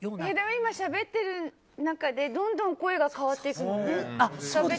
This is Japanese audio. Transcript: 今、しゃべってる中でどんどん声が変わっていくのね。